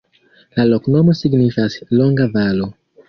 La loknomo signifas: longa-valo.